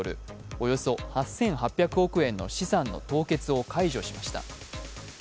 およそ８８００億円の資産の凍結を解除しました。